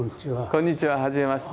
こんにちははじめまして。